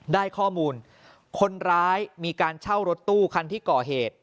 ได้ข้อมูลคนร้ายมีการเช่ารถตู้คันที่ก่อเหตุ